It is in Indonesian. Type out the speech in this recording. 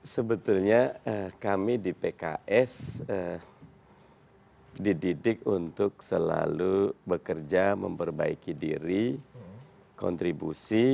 sebetulnya kami di pks dididik untuk selalu bekerja memperbaiki diri kontribusi